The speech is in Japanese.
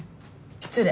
失礼。